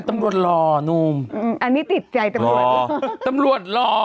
ตำรวจหล่อ